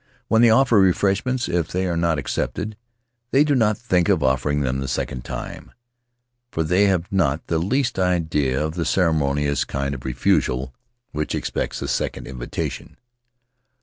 When they offer refreshments, if they are not accepted, they do not think of offering them the second time; for they have not the least idea of that ceremonious kind of refusal which expects a second invitation."